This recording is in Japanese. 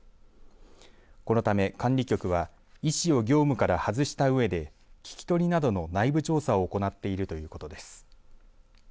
このため管理局は医師を業務から外したうえで聞き取りなどの内部調査を行っているということです。